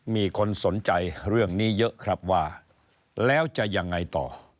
มีคนสนใจเรื่องนี้เยอะครับว่าแล้วจะยังไงต่อ